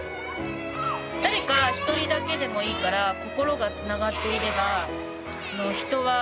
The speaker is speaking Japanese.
誰か一人だけでもいいから心が繋がっていれば人は生きていける。